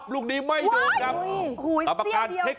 ลูกนี้ไม่โดน